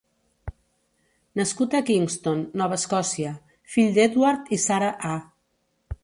Nascut a Kingston, Nova Escòcia, fill d'Edward i Sarah A.